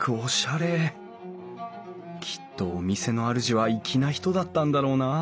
きっとお店のあるじは粋な人だったんだろうなあ。